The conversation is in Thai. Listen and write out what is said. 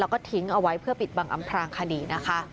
แล้วก็ทิ้งเอาไว้เพื่อปิดบังอำพรางคดีนะคะ